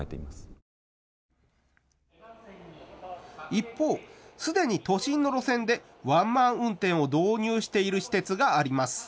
一方、すでに都心の路線でワンマン運転を導入している私鉄があります。